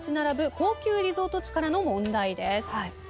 高級リゾート地からの問題です。